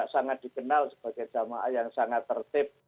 sangat dikenal sebagai jamaah yang sangat tertib